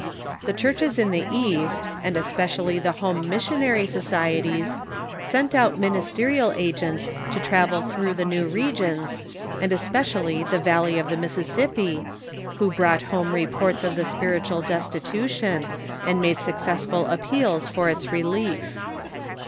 The churches in the East, and especially the Home Missionary societies, sent out ministerial agents to travel through the new regions, and especially the valley of the Mississippi, who brought home re ports of the spiritual destitution, and made successful appeals for its relief.